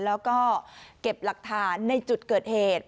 แล้วก็เก็บหลักฐานในจุดเกิดเหตุ